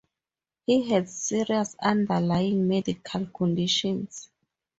He had serious underlying medical conditions.